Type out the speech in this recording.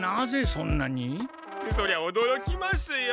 そりゃおどろきますよ。